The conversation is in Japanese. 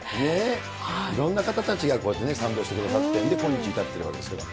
いろんな方たちがこうやって賛同してくださって、今日に至ってるわけですけど。